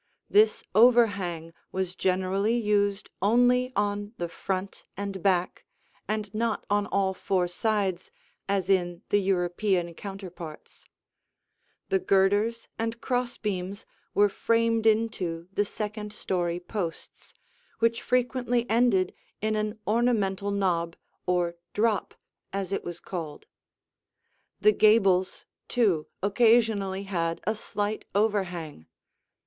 This overhang was generally used only on the front and back and not on all four sides, as in the European counterparts. The girders and cross beams were framed into the second story posts, which frequently ended in an ornamental knob or drop, as it was called. The gables, too, occasionally had a slight overhang.